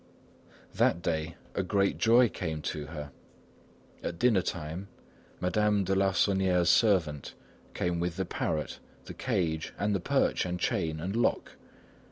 That day a great joy came to her: at dinner time, Madame de Larsonnière's servant called with the parrot, the cage, and the perch and chain and lock.